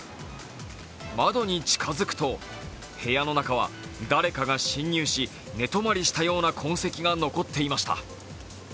窓に近づくと部屋の中は誰かが侵入し寝泊まりしたような痕跡が残っていました。